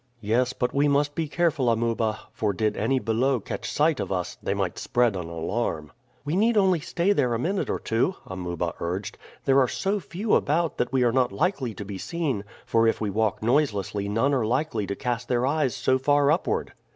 "Yes, but we must be careful, Amuba; for, did any below catch sight of us, they might spread an alarm." "We need only stay there a minute or two," Amuba urged. "There are so few about that we are not likely to be seen, for if we walk noiselessly none are likely to cast their eyes so far upward."